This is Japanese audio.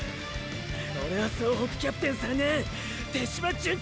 オレは総北キャプテン３年手嶋純太！